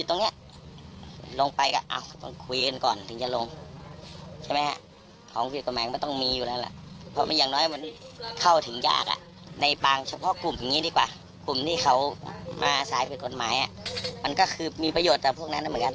ในปางเฉพาะกลุ่มอย่างนี้ดีกว่ากลุ่มที่เขามาอาศัยเป็นกฎหมายมันก็คือมีประโยชน์ต่อพวกนั้นเหมือนกัน